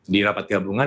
di rapat gabungan